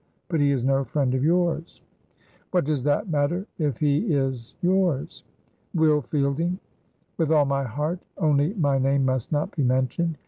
but he is no friend of yours." "What does that matter if he is yours?" "Will Fielding." "With all my heart. Only my name must not be mentioned.